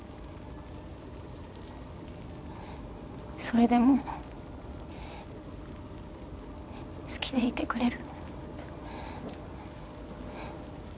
それでも好きでいてくれる？